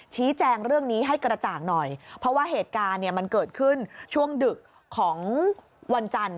ชี้แจงเรื่องนี้ให้กระจ่างหน่อยเพราะว่าเหตุการณ์เนี่ยมันเกิดขึ้นช่วงดึกของวันจันทร์